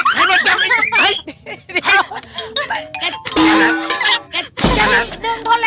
แกะแกะน้ำ